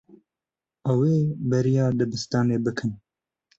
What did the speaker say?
Ew ê bêriya dibistanê bikin.